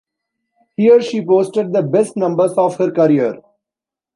Here she posted the best numbers of her career.